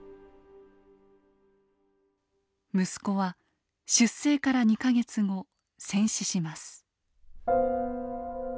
息子は出征から２か月後戦死します。